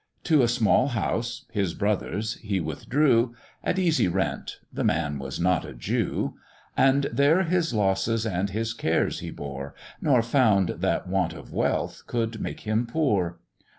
To a small house (his brother's) he withdrew, At easy rent the man was not a Jew; And there his losses and his cares he bore, Nor found that want of wealth could make him poor.